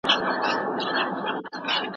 هر لیکل سوی کتاب رښتیا نه وایي.